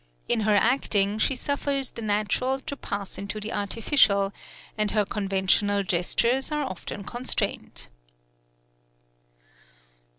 In her acting she suffers the natural to pass into the artificial, and her conventional gestures are often constrained."